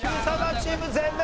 チーム全滅！